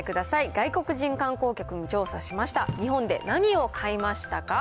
外国人観光客に調査しました、日本で何を買いましたか？